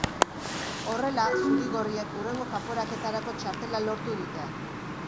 Horrela, zuri-gorriek hurrengo kanporaketarako txartela lortu dute.